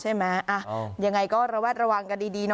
ใช่ไหมยังไงก็ระแวดระวังกันดีนะ